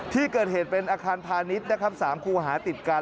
ที่เกิดเหตุเป็นอาคารพาณิชย์นะครับ๓คู่หาติดกัน